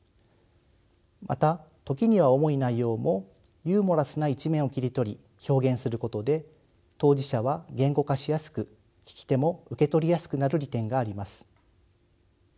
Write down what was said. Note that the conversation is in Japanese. また時には重い内容もユーモラスな一面を切り取り表現することで当事者は言語化しやすく聞き手も受け取りやすくなる利点があります。